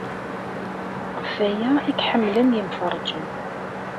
Ɣef waya ay k-ḥemmlen yemfeṛṛjen.